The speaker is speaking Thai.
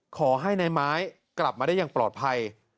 ขอให้นายไม้กลับมาได้อย่างปลอดภัย